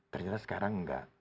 ternyata sekarang enggak